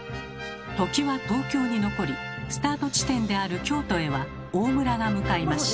土岐は東京に残りスタート地点である京都へは大村が向かいました。